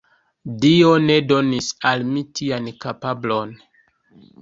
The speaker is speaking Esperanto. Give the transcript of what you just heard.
Dio ne donis al mi tian kapablon.